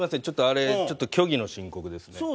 ちょっとあれちょっと虚偽の申告ですね。